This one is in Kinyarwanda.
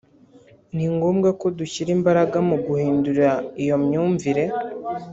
Ni ngombwa ko dushyira imbaraga mu guhindura iyo myumvire